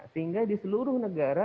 sehingga di seluruh negara